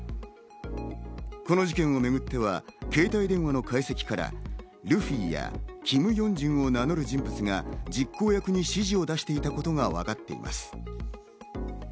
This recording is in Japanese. この事件をめぐっては携帯電話の解析から、ルフィやキム・ヨンジュンを名乗る人物が実行役に指示を出していたことがわかっています。